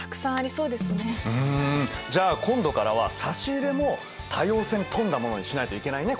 じゃあ今度からは差し入れも多様性に富んだものにしないといけないね